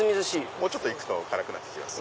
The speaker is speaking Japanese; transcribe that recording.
もうちょっと行くと辛くなります。